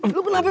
lo kenapa met